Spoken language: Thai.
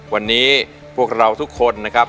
วันนี้พวกเราทุกคนนะครับ